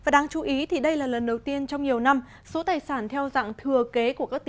đáng chú ý đây là lần đầu tiên trong nhiều năm số tài sản theo dạng thừa kế